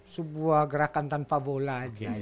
sebuah gerakan tanpa bola aja